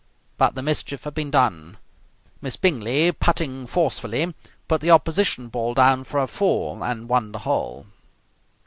But the mischief had been done. Miss Bingley, putting forcefully, put the opposition ball down for a four and won the hole.